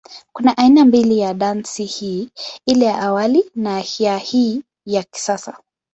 Kuna aina mbili ya dansi hii, ile ya awali na ya hii ya kisasa.